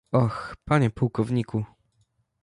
"Och, panie pułkowniku!..."